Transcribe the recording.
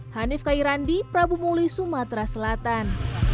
hanif kayi randi prabu muli sumatera selatan